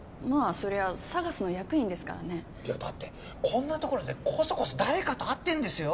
そりゃＳＡＧＡＳの役員ですからねいやだってこんなところでコソコソ誰かと会ってんですよ